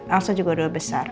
elsa juga udah besar